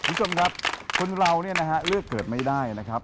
คุณคุณค่ะคนเราเลือกเกิดไม่ได้นะครับ